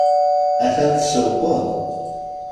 A-t-an tsewqeḍ.